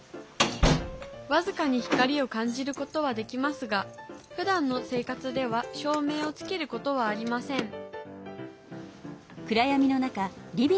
僅かに光を感じることはできますがふだんの生活では照明をつけることはありません